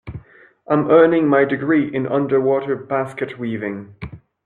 I'm earning my degree in underwater basket weaving.